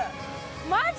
マジ？